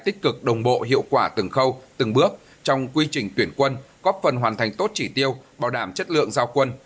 tích cực đồng bộ hiệu quả từng khâu từng bước trong quy trình tuyển quân góp phần hoàn thành tốt chỉ tiêu bảo đảm chất lượng giao quân